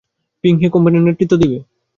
Ping He কোম্পানির নেতৃত্ব দেবে।